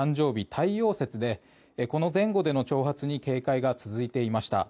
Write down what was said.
太陽節でこの前後での挑発に警戒が続いていました。